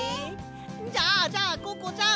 じゃあじゃあココちゃん！